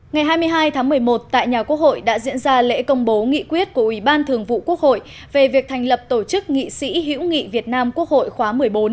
ngày hai mươi hai tháng một mươi một tại nhà quốc hội đã diễn ra lễ công bố nghị quyết của ủy ban thường vụ quốc hội về việc thành lập tổ chức nghị sĩ hữu nghị việt nam quốc hội khóa một mươi bốn